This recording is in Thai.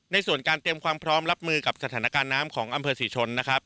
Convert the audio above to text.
ส่วนการเตรียมความพร้อมรับมือกับสถานการณ์น้ำของอำเภอศรีชนนะครับ